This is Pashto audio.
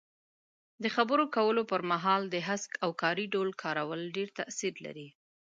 د خبرو کولو پر مهال د هسک او کاري ډول کارول ډېر تاثیر لري.